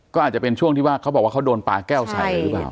ก็อาจจะเป็นช่วงที่ว่าเขาบอกว่าเขาโดนปลาแก้วใส่เลยหรือเปล่า